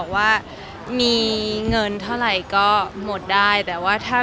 หายเหนื่อยของจินนี่